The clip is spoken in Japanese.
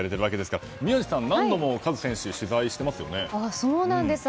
宮司さんは何度もカズ選手を取材されていますよね。